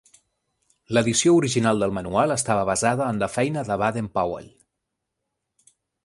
L'edició original del manual estava basada en la feina de Baden-Powell.